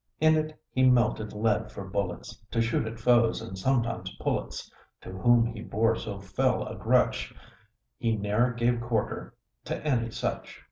In it he melted lead for bullets, To shoot at foes, and sometimes pullets; To whom he bore so fell a grutch, He ne'er gave quarter t'any such.